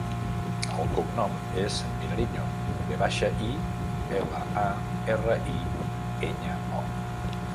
El cognom és Vilariño: ve baixa, i, ela, a, erra, i, enya, o.